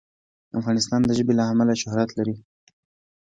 افغانستان د ژبې له امله شهرت لري.